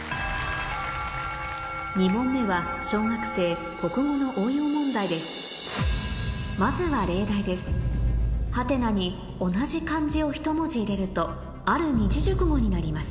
２問目は小学生国語の応用問題ですまずは例題です「？」に同じ漢字をひと文字入れるとある二字熟語になります